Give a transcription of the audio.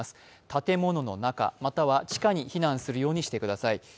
建物の中、または地下に避難するようにしてください。